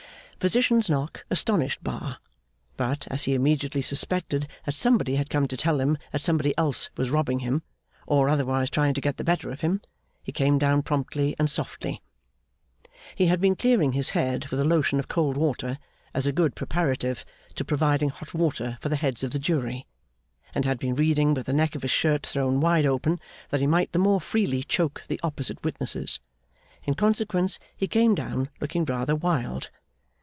Physician's knock astonished Bar; but, as he immediately suspected that somebody had come to tell him that somebody else was robbing him, or otherwise trying to get the better of him, he came down promptly and softly. He had been clearing his head with a lotion of cold water, as a good preparative to providing hot water for the heads of the jury, and had been reading with the neck of his shirt thrown wide open that he might the more freely choke the opposite witnesses. In consequence, he came down, looking rather wild.